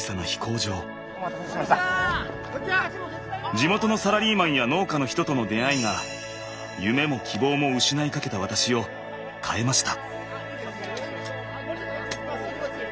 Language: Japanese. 地元のサラリーマンや農家の人との出会いが夢も希望も失いかけた私を変えました。